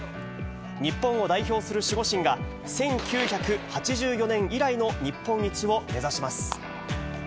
日本を代表する守護神が、１９８４年以来の日本一を目指します。